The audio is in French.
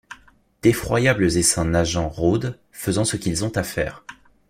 D’effroyables essaims nageants rôdent, faisant ce qu’ils ont à faire.